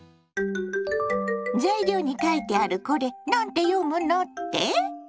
材料に書いてあるこれ何て読むのって？